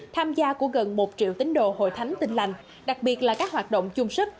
tham gia của gần một triệu tín đồ hội thánh tin lành đặc biệt là các hoạt động chung sức